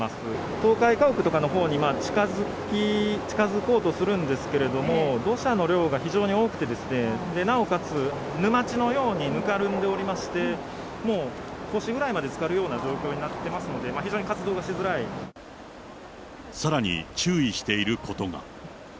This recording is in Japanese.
倒壊家屋とかのほうに近づこうとするんですけれども、土砂の量が非常に多くて、なおかつ沼地のようにぬかるんでおりまして、もう、腰ぐらいまでつかるような状況になってますんで、さらに、注意していることが。